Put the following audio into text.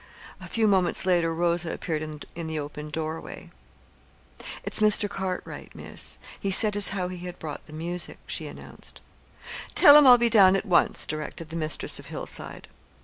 A few moments later Rosa appeared in the open doorway. "It's Mr. Arkwright, Miss. He said as how he had brought the music," she announced. "Tell him I'll be down at once," directed the mistress of Hillside.